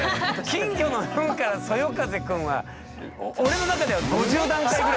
金魚のフンからそよ風くんは俺の中では５０段階ぐらい。